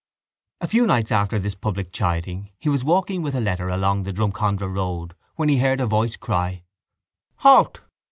A few nights after this public chiding he was walking with a letter along the Drumcondra Road when he heard a voice cry: —Halt!